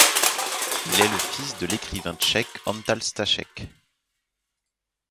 Il est le fils de l’écrivain tchèque Antal Stašek.